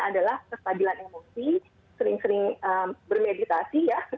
adalah kestabilan emosi sering sering bermeditasi ya